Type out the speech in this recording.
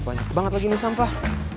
banyak banget lagi ini sampah